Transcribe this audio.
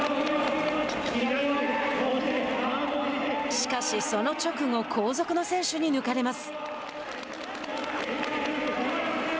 しかし、その直後後続の選手に抜かれます。